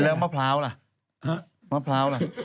เรื่องมะพร้าวล่ะ